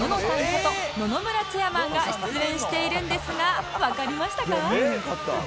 こと野々村チェアマンが出演しているんですがわかりましたか？